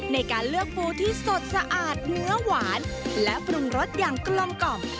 ในการเลือกปูที่สดสะอาดเนื้อหวานและปรุงรสอย่างกลมกล่อม